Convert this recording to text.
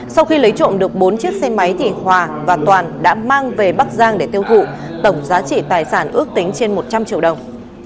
sau khi lấy trộm được bốn chiếc xe máy thì hòa và toàn đã mang về bắc giang để tiêu thụ tổng giá trị tài sản ước tính trên một trăm linh triệu đồng